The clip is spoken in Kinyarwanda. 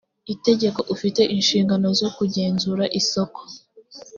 itegeko ufite inshingano zo kugenzura isoko